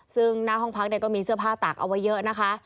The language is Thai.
ซึ่งหน้าห้องพักก็มีเสื้อผ้าตากเอาไว้เยอะนะคะ